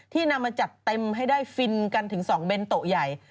นำมาจัดเต็มให้ได้ฟินกันถึง๒เบนโต๊ะใหญ่